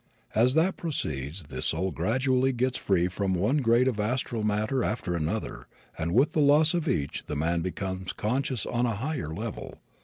As that proceeds the soul gradually gets free from one grade of astral matter after another and with the loss of each the man becomes conscious on a higher level.